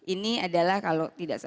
ini adalah kalau tidak